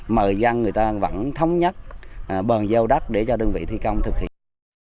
mời gian người ta vẫn thống nhất bàn giao đất để cho đơn vị thi công thực hiện